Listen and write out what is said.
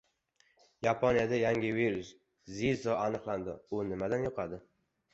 Yaponiyada yangi virus — "Yezo" aniqlandi. U nimadan yuqadi?